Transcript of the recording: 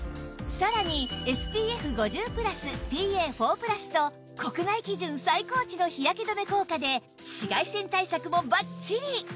だからさらに ＳＰＦ５０＋ＰＡ＋＋＋＋ と国内基準最高値の日焼け止め効果で紫外線対策もバッチリ！